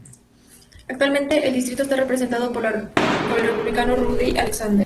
Actualmente el distrito está representado por el Republicano Rodney Alexander.